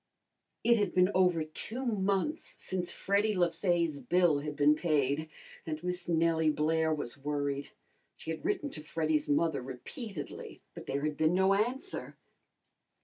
] It had been over two months since Freddy Le Fay's bill had been paid, and Miss Nellie Blair was worried. She had written to Freddy's mother repeatedly, but there had been no answer.